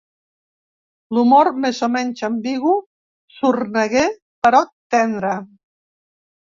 L'humor més o menys ambigu, sorneguer però tendre.